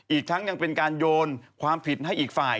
อีกทั้งยังเป็นการโยนความผิดให้อีกฝ่าย